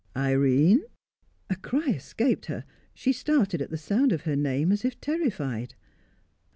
"Irene " A cry escaped her; she started at the sound of her name as if terrified.